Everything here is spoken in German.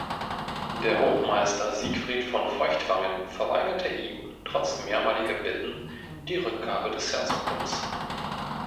Der Hochmeister Siegfried von Feuchtwangen verweigerte ihm, trotz mehrmaliger Bitten, die Rückgabe des Herzogtums.